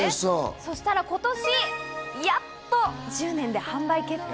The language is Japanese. そしたら今年、やっと１０年で販売決定。